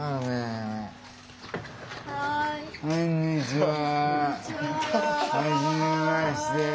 こんにちは。